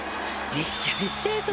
めっちゃめっちゃええ